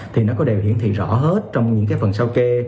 thì nó có đều hiển thị rõ hết trong những cái phần sau kê